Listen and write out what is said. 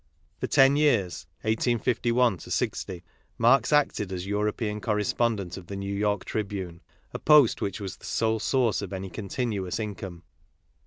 For ten years (1851 60) Marx acted as European correspondent of the New York Tribune, a post which was the sole source of any continuous income.